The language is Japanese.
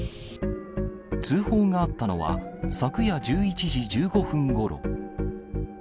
通報があったのは、昨夜１１時１５分ごろ。